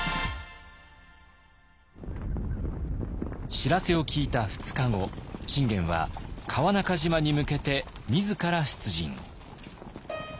知らせを聞いた２日後信玄は川中島に向けて自ら出陣。